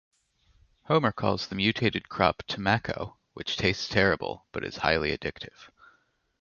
Homer calls the mutated crop "Tomacco," which tastes terrible, but is highly addictive.